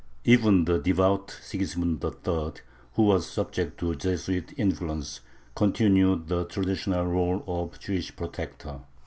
Even the devout Sigismund III., who was subject to Jesuit influence, continued the traditional rôle of Jewish protector.